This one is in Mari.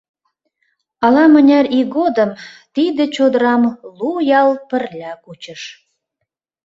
Ала-мыняр ий годым тиде чодырам лу ял пырля кучыш.